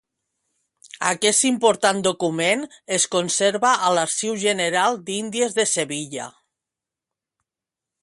Aquest important document es conserva a l'Arxiu General d'Índies de Sevilla.